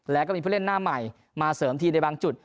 แล้วก็มีผู้เล่นหน้าใหม่มาเสริมทีมในบางจุด